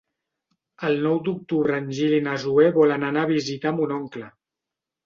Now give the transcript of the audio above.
El nou d'octubre en Gil i na Zoè volen anar a visitar mon oncle.